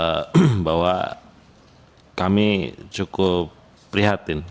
saya ingin mengucapkan bahwa kami cukup prihatin